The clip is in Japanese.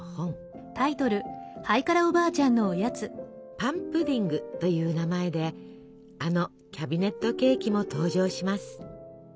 「パンプディング」という名前であのキャビネットケーキも登場します。